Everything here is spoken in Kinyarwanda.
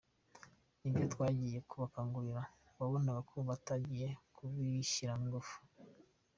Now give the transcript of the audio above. Nibyo twagiye kubakangurira wabonaga ko batagiye babishyiramo ingufu.